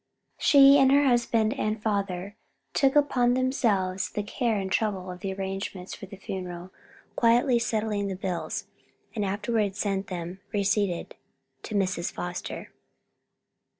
She and her husband and father took upon themselves all the care and trouble of the arrangements for the funeral, quietly settled the bills, and afterward sent them, receipted, to Mrs. Foster.